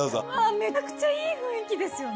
めちゃくちゃいい雰囲気ですよね。